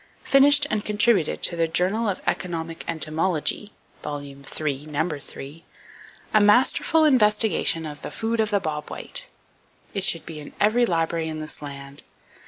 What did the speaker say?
finished and contributed to the Journal of Economic Entomology (Vol. III., No. 3) a masterful investigation of "The Food of the Bob White." It should be in every library in this land.